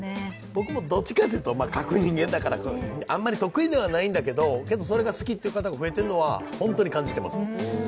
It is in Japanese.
僕もどっちかというと、あまり得意ではないんだけど、それが好きという方が増えているのは本当に感じています。